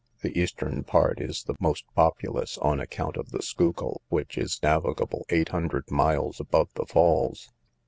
The eastern part is the most populous, on account of the Schuylkill, which is navigable eight hundred miles above the falls.